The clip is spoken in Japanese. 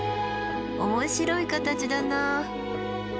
面白い形だな。